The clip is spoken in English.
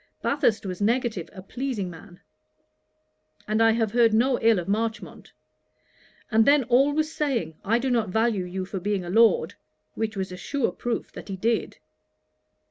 Bathurst was negative, a pleasing man; and I have heard no ill of Marchmont; and then always saying, "I do not value you for being a Lord;" which was a sure proof that he did.